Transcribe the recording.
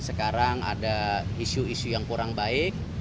sekarang ada isu isu yang kurang baik